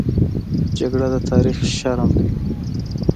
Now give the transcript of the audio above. جګړه د تاریخ شرم ده